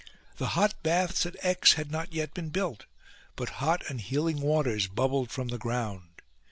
The hot baths at Aix had not yet been built ; but hot and healing waters bubbled from the ground.